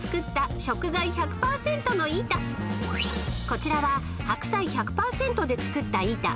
［こちらはハクサイ１００％で作った板］